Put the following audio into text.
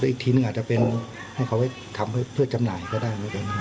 อีกทีนึงอาจจะมาทำเพื่อจำหน่ายก็ได้